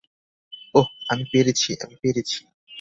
ওহ, আমি পেরেছি, আমি পেরেছি।